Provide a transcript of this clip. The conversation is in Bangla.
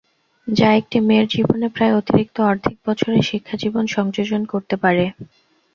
যা একটি মেয়ের জীবনে প্রায় অতিরিক্ত অর্ধেক বছরের শিক্ষাজীবন সংযোজন করতে পারে।